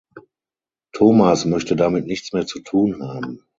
Thomas möchte damit nichts mehr zu tun haben.